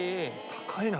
「高いな」